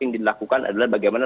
dilakukan adalah bagaimana